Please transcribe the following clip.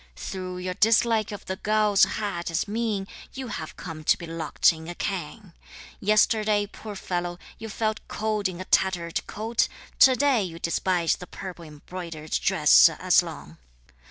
Through your dislike of the gauze hat as mean, You have come to be locked in a cangue; Yesterday, poor fellow, you felt cold in a tattered coat, To day, you despise the purple embroidered dress as long!